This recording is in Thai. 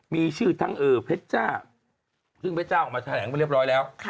มีชื่อทั้งเพชรจ้าซึ่งเพชรจ้าออกมาแถลงไปเรียบร้อยแล้ว